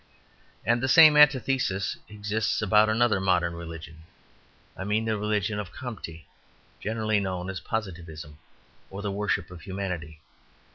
And the same antithesis exists about another modern religion I mean the religion of Comte, generally known as Positivism, or the worship of humanity.